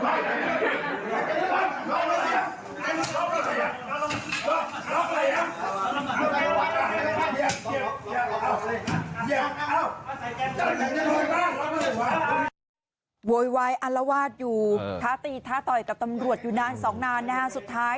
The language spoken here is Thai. ถ้ามีประวัติยุทธ์ตัวประวัติยุทธ์แล้ว